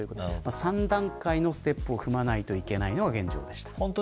３段階のステップを踏まないといけないのが現状でした。